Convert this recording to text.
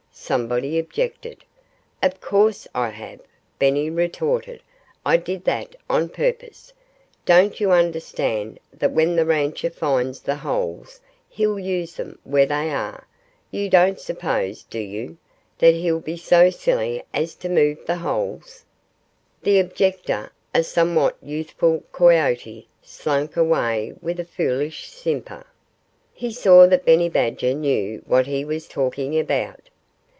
somebody objected. "Of course I have!" Benny retorted. "I did that on purpose. Don't you understand that when the rancher finds the holes he'll use them where they are? You don't suppose do you? that he'll be so silly as to move the holes?" The objector a somewhat youthful coyote slunk away with a foolish simper. He saw that Benny Badger knew what he was talking about.